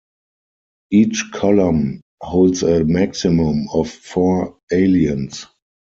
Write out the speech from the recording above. Each column holds a maximum of four aliens.